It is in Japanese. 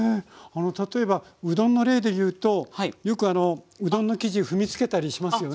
例えばうどんの例でいうとよくうどんの生地踏みつけたりしますよね。